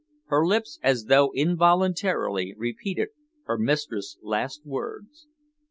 Her lips, as though involuntarily, repeated her mistress' last words.